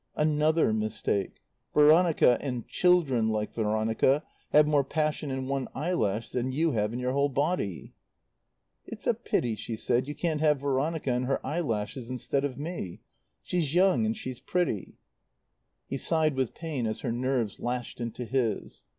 "Another mistake. Veronica, and 'children' like Veronica have more passion in one eyelash than you have in your whole body." "It's a pity," she said, "you can't have Veronica and her eyelashes instead of me. She's young and she's pretty." He sighed with pain as her nerves lashed into his.